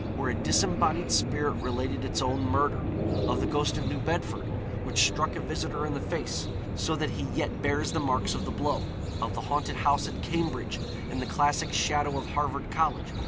where a disembodied spirit related its own murder; of the ghost of New Bedford, which struck a visitor in the face, so that he yet bears the marks of the blow; of the haunted house at Cambridge, in the classic shadow of Harvard College.